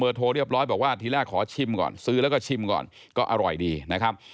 โทรเรียบร้อยบอกว่าทีแรกขอชิมก่อนซื้อแล้วก็ชิมก่อนก็อร่อยดีนะครับ